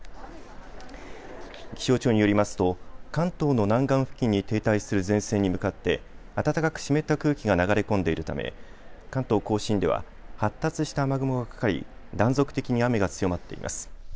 気象庁によりますと関東の南岸付近に停滞する前線に向かって暖かく湿った空気が流れ込んでいるため関東甲信では発達した雨雲がかかり断続的に雨が強まっています。